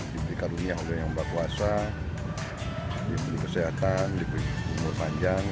diberikan dunia yang berkuasa diberi kesehatan diberi umur panjang